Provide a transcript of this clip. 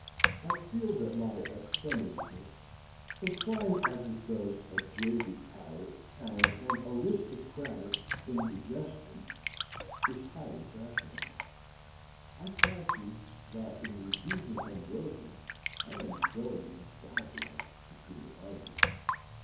I feel that my abstemiousness, implying as it does a jaded palate and an aristocratic indigestion, is highly fashionable. I fancy that in refusing ambrosia I am showing a godlike superiority.